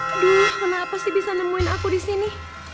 aduh kenapa sih bisa nemuin aku disini